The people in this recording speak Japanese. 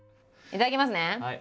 いただきます！